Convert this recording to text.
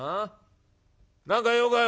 何か用かい？